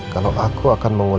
kalau aku akan mengubah